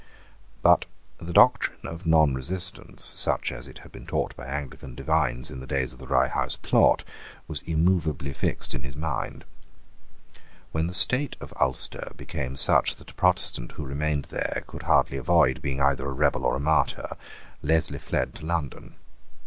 But the doctrine of nonresistance, such as it had been taught by Anglican divines in the days of the Rye House Plot, was immovably fixed in his mind. When the state of Ulster became such that a Protestant who remained there could hardly avoid being either a rebel or a martyr, Leslie fled to London.